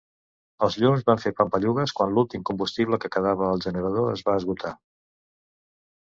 Els llums van fer pampallugues quan l'últim combustible que quedava al generador es va esgotar.